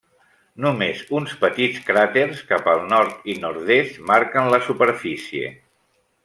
Només uns petits cràters cap al nord i nord-est marquen la superfície.